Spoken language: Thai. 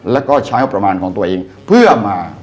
แล้วก็ใช้งบประมาณของตัวเองเพื่อมา